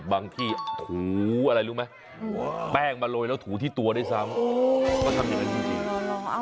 บางที่ถูอะไรรู้ไหมแป้งมาโรยแล้วถูที่ตัวได้ซ้ำ